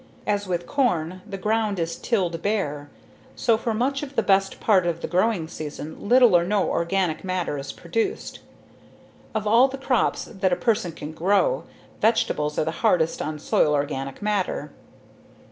As with corn, the ground is tilled bare, so for much of the best part of the growing season little or no organic matter is produced. Of all the crops that a person can grow, vegetables are the hardest on soil organic matter.